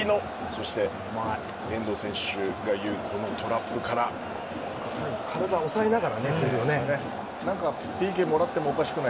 そして遠藤選手が言うトラップから体、押さえながらね。